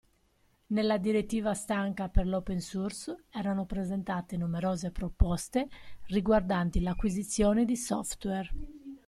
Nella Direttiva Stanca per l'open source erano presentate numerose proposte riguardanti l'acquisizione di software.